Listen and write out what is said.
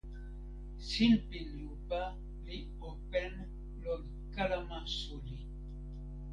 sinpin lupa li open lon kalama suli.